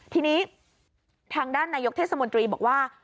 ทีนี้ทางด้านนายกเทศมนตรีบอกว่า